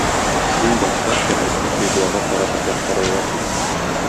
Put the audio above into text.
Иң башта терлекне кыйблага каратып яткырырга кирәк.